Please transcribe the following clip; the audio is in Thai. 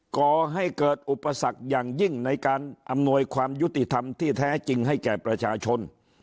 ก่อให้เกิดอุปสรรคอย่างยิ่งในการอำนวยความยุติธรรมที่แท้จริงให้แก่ประชาชน